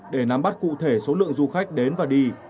để nắm bắt cụ thể số lượng du khách đến và đi